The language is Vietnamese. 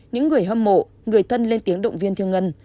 những người hâm mộ người thân lên tiếng động viên thiên ngân